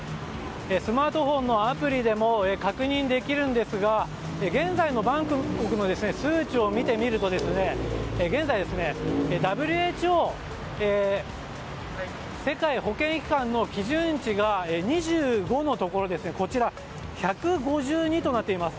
スマートフォンのアプリでも確認できるんですが現在のバンコクの数値を見てみると現在、ＷＨＯ・世界保健機関の基準値が２５のところこちらは１５２となっています。